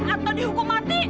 atau dihukum mati